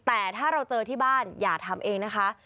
แต่ถ้าเราเจอที่บ้านอย่าทำเองนะคะ